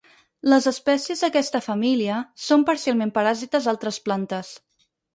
Les espècies d'aquesta família són parcialment paràsites d'altres plantes.